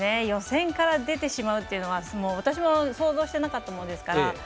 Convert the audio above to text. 予選から出てしまうというのは私も想像してなかったもんですから。